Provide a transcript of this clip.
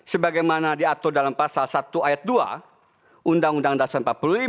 sebagaimana diatur dalam pasal satu ayat dua undang undang dasar empat puluh lima